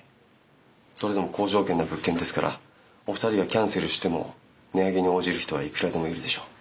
それでも好条件の物件ですからお二人がキャンセルしても値上げに応じる人はいくらでもいるでしょう。